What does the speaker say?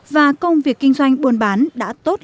và công việc kinh doanh buôn bán đã tốt